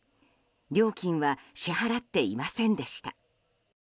料金は支払っていませんでした。